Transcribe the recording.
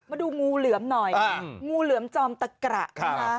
มาดูงูเหลือมหน่อยงูเหลือมจอมตะกระนะคะ